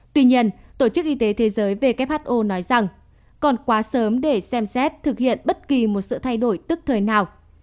tuy nhiên tổ chức y tế thế giới who nói rằng còn quá sớm để xem xét thực hiện bất kỳ một sự thay đổi tức thời nào